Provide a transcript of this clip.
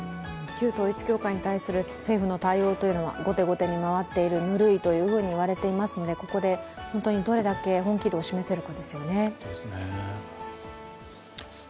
旧統一教会に対する政府の対応は後手後手に回っている、ぬるいと言われていますのでここで本当にどれだけ本気度を示せるかですよね。